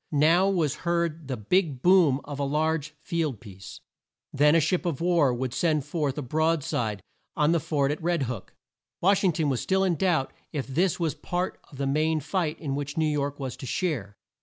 Now was heard the big boom of a large field piece. Then a ship of war would send forth a broad side on the fort at Red Hook. Wash ing ton was still in doubt if this was part of the main fight in which New York was to share.